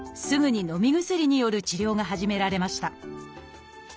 すぐにのみ薬による治療が始められました。